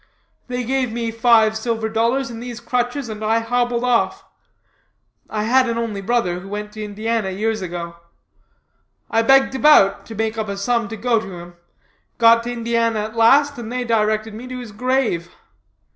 They gave me five silver dollars, and these crutches, and I hobbled off. I had an only brother who went to Indiana, years ago. I begged about, to make up a sum to go to him; got to Indiana at last, and they directed me to his grave.